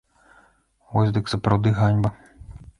Вось дык сапраўды ганьба.